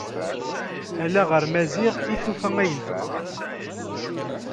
Ala ɣer Maziɣ i tufa ayen tebɣa.